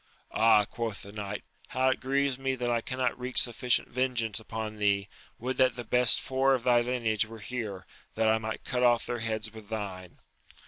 Ah, quoth the knight, how it grieves me that I cannot wreak sufficient vengeance upon thee ! would that the best four of thy lineage were here, that I might cut off their heads with thine